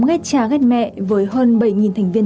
ghét cha ghét mẹ với hơn bảy thành viên